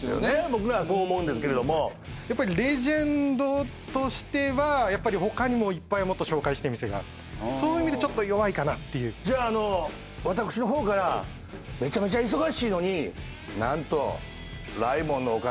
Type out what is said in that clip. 僕らはそう思うんですけれどもやっぱりレジェンドとしてはやっぱり他にもいっぱいもっと紹介したい店があるそういう意味でちょっと弱いかなっていうじゃああの私のほうからええっマジですか？